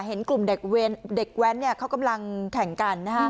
เห็นกลุ่มเด็กแว้นเขากำลังแข่งกัน